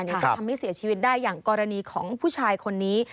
จะทำให้เสียชีวิตได้อย่างกรณีของผู้ชายคนนี้